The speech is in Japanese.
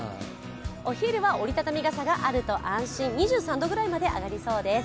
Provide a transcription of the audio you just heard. お昼は折り畳み傘があると安心、２３度くらいまで上がりそうです。